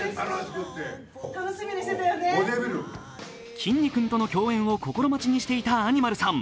きんに君との共演を心待ちにしていたアニマルさん。